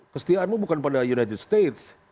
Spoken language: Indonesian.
kesetiaanmu bukan pada united states